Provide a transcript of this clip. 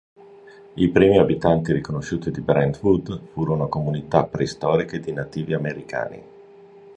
I primi abitanti riconosciuti di Brentwood furono comunità preistoriche di nativi americani.